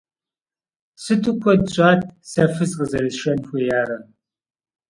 Сыту куэд щӀат сэ фыз къызэрысшэн хуеярэ!